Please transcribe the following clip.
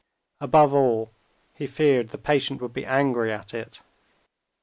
Above all, he feared the patient would be angry at it.